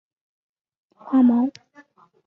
展毛翠雀花为毛茛科翠雀属下的一个变种。